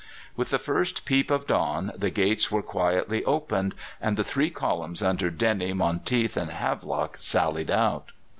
With the first peep of dawn the gates were quietly opened, and the three columns, under Dennie, Monteath, and Havelock, sallied out.